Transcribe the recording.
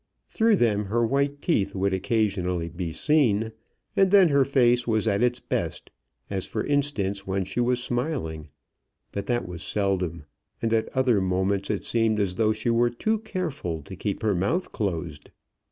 Through them her white teeth would occasionally be seen, and then her face was at its best, as, for instance, when she was smiling; but that was seldom; and at other moments it seemed as though she were too careful to keep her mouth closed.